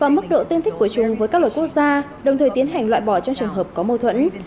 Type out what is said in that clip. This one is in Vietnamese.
và mức độ tương thích của chúng với các loại quốc gia đồng thời tiến hành loại bỏ trong trường hợp có mâu thuẫn